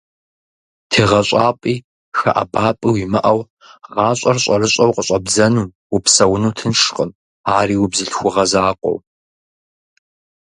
ТегъэщӀапӀи хэӀэбапӀи уимыӀэу, гъащӀэр щӀэрыщӀэу къыщӀэбдзэу упсэуну тыншкъым, ари убзылъхугъэ закъуэу.